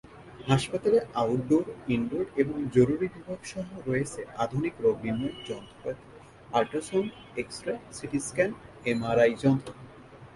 হাসপাতালে outdoor, indoor এবং জরুরি বিভাগ সহ রয়েছে আধুনিক রোগনির্ণয় যন্ত্রপাতি, ultrasound, X ray, CT scan, M R I যন্ত্র।